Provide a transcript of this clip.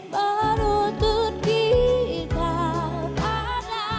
menuntun kita pada